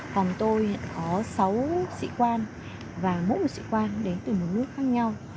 còn tôi hiện có sáu sĩ quan và mỗi một sĩ quan đến từ một nước khác nhau